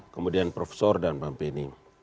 kemudian prof dan bang benny